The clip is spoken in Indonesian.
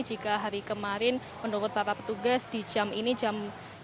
jika hari kemarin menurut bapak petugas di jam ini jam